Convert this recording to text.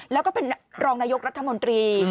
แล้วก็เป็นรองนายกรัฐมนตรี